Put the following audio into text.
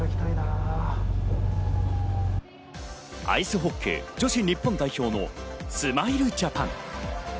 アイスホッケー女子日本代表のスマイルジャパン。